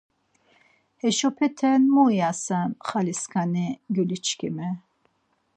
Heşopete mu ivasen xali skani gyuli çkimi!